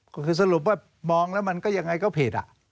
ก็คือสรุปว่ามองแล้วมันก็ยังไงก็ผิด